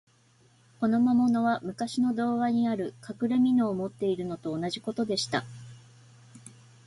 この魔物は、むかしの童話にある、かくれみのを持っているのと同じことでした。